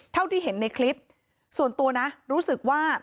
เท่าที่เห็นในคลิปส่วนตัวนะรู้สึกว่า